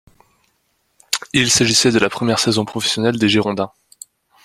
Il s’agissait de la première saison professionnelle des Girondins.